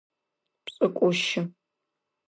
Пшӏыкӏущы.